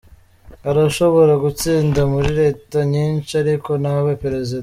Hari ushobora gutsinda muri Leta nyinshi ariko ntabe Perezida